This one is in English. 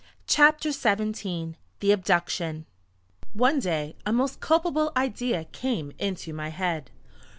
CHAPTER XVII THE ABDUCTION One day a most culpable idea came into my head.